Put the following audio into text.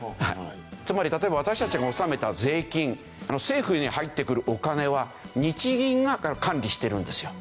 つまり例えば私たちが納めた税金政府に入ってくるお金は日銀が管理してるんですよ。